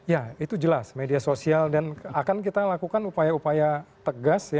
ya itu jelas media sosial dan akan kita lakukan upaya upaya tegas